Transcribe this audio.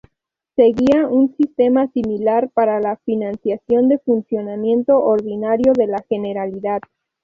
Seguía un sistema similar, para la financiación del funcionamiento ordinario de la Generalidad.